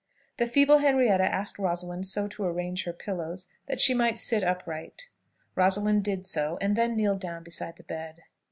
The feeble Henrietta asked Rosalind so to arrange her pillows that she might sit upright. Rosalind did so, and then kneeled down beside the bed.